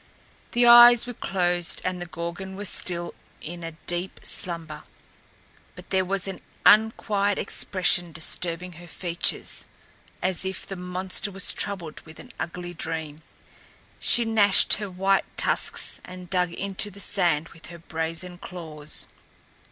The eyes were closed and the Gorgon was still in a deep slumber; but there was an unquiet expression disturbing her features, as if the monster was troubled with an ugly dream. She gnashed her white tusks and dug into the sand with her brazen claws.